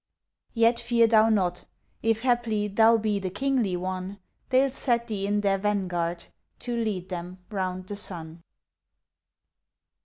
Yet fear thou not! If haply Thou be the kingly one, They'll set thee in their vanguard To lead them round the sun.